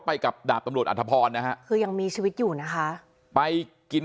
ไปกับดาบตำรวจอัธพรนะฮะคือยังมีชีวิตอยู่นะคะไปกิน